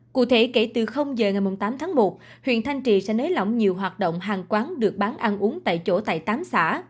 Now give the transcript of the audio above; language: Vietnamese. cụ thể kể từ giờ ngày tám tháng một huyện thanh trì sẽ nới lỏng nhiều hoạt động hàng quán được bán ăn uống tại chỗ tại tám xã